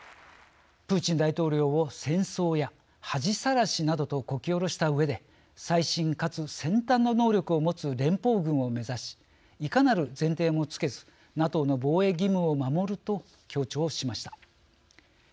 プーチン大統領を戦争屋恥さらしなどとこきおろしたうえで最新かつ先端の能力を持つ連邦軍を目指しいかなる前提もつけずＮＡＴＯの防衛義務を守ると強調しました。